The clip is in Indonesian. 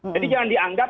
jadi jangan dianggap